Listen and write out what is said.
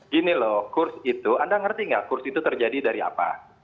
gini loh kurs itu anda ngerti nggak kursi itu terjadi dari apa